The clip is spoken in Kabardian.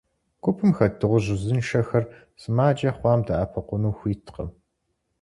Гупым хэт дыгъужь узыншэхэр сымаджэ хъуам дэӏэпыкъуну хуиткъым.